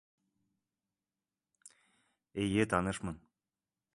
Эйе танышмын